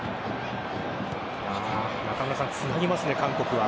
つなぎますね、韓国は。